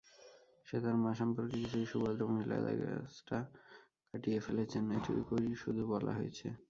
সে তার মা সম্পর্কে কিছুই সুভদ্রমহিলা জায়গাছটা কাটিয়ে ফেলেছেন, এইটুকুই শুধু বলা হয়েছে।